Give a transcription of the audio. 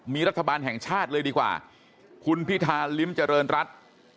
มีรัฐบาลแห่งชาติเลยดีกว่าคุณพิธาลิ้มเจริญรัฐ